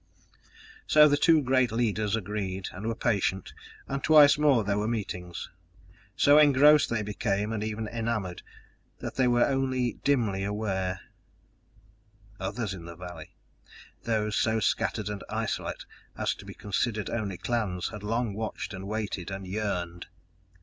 So the two great leaders agreed, and were patient, and twice more there were meetings. So engrossed they became and even enamored, that they were only dimly aware Others in the valley, those so scattered and isolate as to be considered only clans, had long watched and waited and yearned.